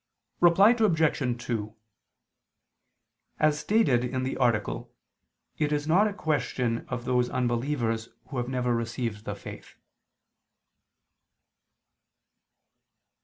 Reply Obj. 2: As stated in the article, it is not a question of those unbelievers who have never received the faith.